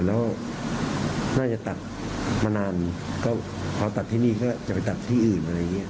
พอตัดที่นี่ก็จะไปตัดที่อื่น